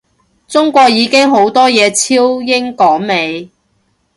中國已經好多嘢超英趕美